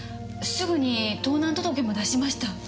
すぐに盗難届も出しました。